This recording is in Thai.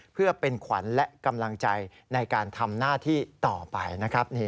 เพื่อเป็นขวัญและกำลังใจในการทำหน้าที่ต่อไปนะครับ